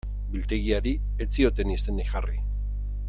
Biltegiari ez zioten izenik jarri.